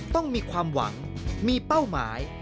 ต้องมีความหวังมีเป้าหมาย